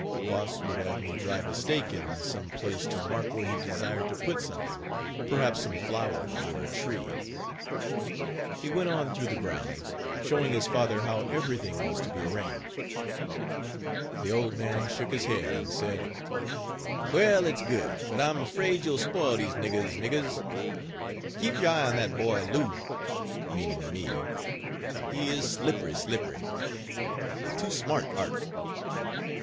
Boss would have me drive a stake in some place to mark where he desired to put something, perhaps some flowers, or a tree. He went on through the grounds, showing his father how everything was to be arranged. The old man shook his head, and said: "Well, it's good, but I am afraid you'll spoil these niggers niggers. Keep you eye on that boy Lou, (meaning me) he is slippery slippery, too smart art."